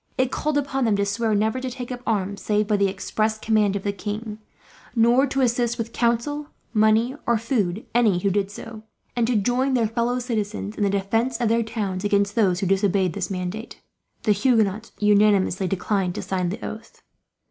It called upon them to swear never to take up arms, save by the express command of the king; nor to assist with counsel, money, or food any who did so; and to join their fellow citizens in the defence of their towns against those who disobeyed this mandate. The Huguenots unanimously declined to sign the oath.